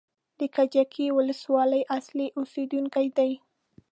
د کجکي ولسوالۍ اصلي اوسېدونکی دی.